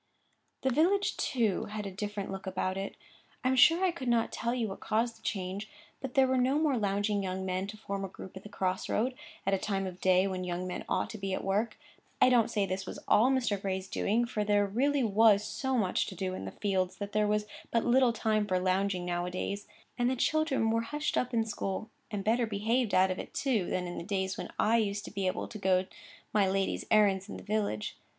The village, too, had a different look about it. I am sure I could not tell you what caused the change; but there were no more lounging young men to form a group at the cross road, at a time of day when young men ought to be at work. I don't say this was all Mr. Gray's doing, for there really was so much to do in the fields that there was but little time for lounging now a days. And the children were hushed up in school, and better behaved out of it, too, than in the days when I used to be able to go my lady's errands in the village.